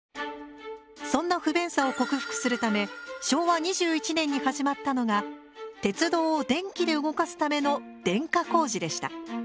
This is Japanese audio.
そんな不便さを克服するため昭和２１年に始まったのが鉄道を電気で動かすための電化工事でした。